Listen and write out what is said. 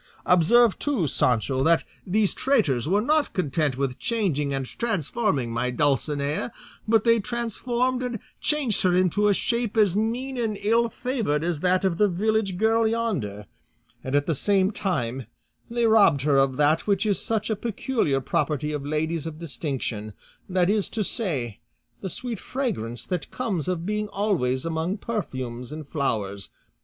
Observe too, Sancho, that these traitors were not content with changing and transforming my Dulcinea, but they transformed and changed her into a shape as mean and ill favoured as that of the village girl yonder; and at the same time they robbed her of that which is such a peculiar property of ladies of distinction, that is to say, the sweet fragrance that comes of being always among perfumes and flowers.